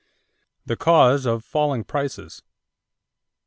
=The Cause of Falling Prices.